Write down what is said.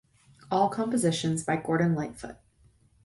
All compositions by Gordon Lightfoot.